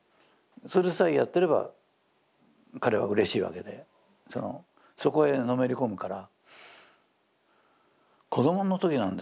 それさえやっていれば彼はうれしいわけでそのそこへのめり込むから。